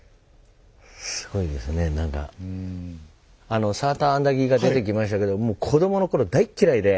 あのサーターアンダギーが出てきましたけど子どもの頃大っ嫌いで。